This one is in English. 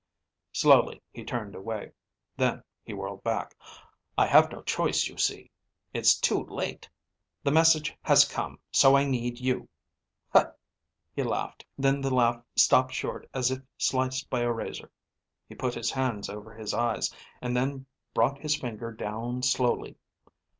Slowly he turned away. Then he whirled back. "I have no choice, you see. It's too late. The message has come. So I need you." He laughed. Then the laugh stopped short as if sliced by a razor. He put his hands over his eyes, and then brought his finger down slowly.